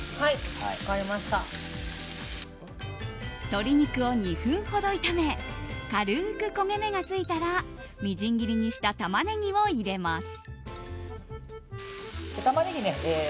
鶏肉を２分ほど炒め軽く焦げ目が付いたらみじん切りにしたタマネギを入れます。